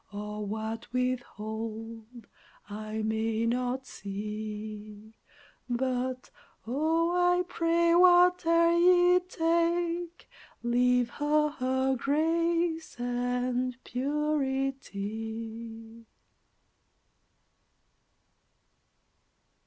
Or what withhold? I may not see; But, oh, I pray, whate'er ye take, Leave her her grace and purity.